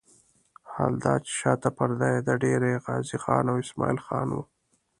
حال دا چې شاته پرده یې د ډېره غازي خان او اسماعیل خان وه.